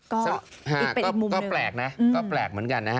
ก็อีกเป็นอีกมุมหนึ่งก็แปลกนะเหมือนกันนะฮะ